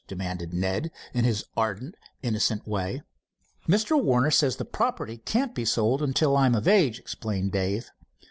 demanded Ned, in his ardent, innocent way. "Mr. Warner says the property can't be sold till I am of age," explained Dave.